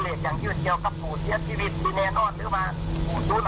เพราะว่าภูมิการรายงานของมูลวังส่วนนี้ปรากฏว่ามีหลายของขวดที่พอเห็นตอนที่พอส้น